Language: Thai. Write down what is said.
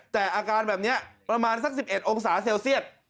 แต่อาการแบบนี้ประมาณสัก๑๑องศาเซลเซียต